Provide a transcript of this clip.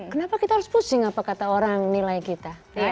kenapa kita harus pusing apa kata orang nilai kita